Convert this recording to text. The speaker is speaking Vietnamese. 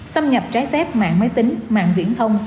xâm nhập trái phép mạng máy tính mạng viễn thông